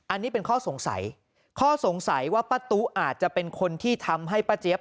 อันนี้เป็นข้อสงสัยข้อสงสัยว่าป้าตุ๊อาจจะเป็นคนที่ทำให้ป้าเจี๊ยบ